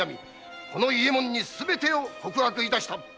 この伊右衛門にすべてを告白致した。